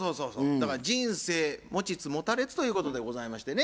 だから人生持ちつ持たれつということでございましてね